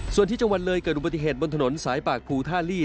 ส่วนที่จังหวัดเลยเกิดอุบัติเหตุบนถนนสายปากภูท่าลี่